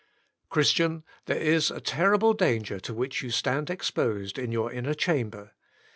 Christian! there is a terrible danger to which you stand exposed in your inner chamber.